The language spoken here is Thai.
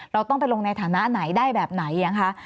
เราต้องไปลงในฐานะไหนได้แบบไหนยังคะ